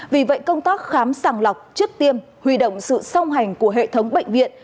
vì vậy công tác khám sàng lọc trước tiêm huy động sự song hành của hệ thống bệnh viện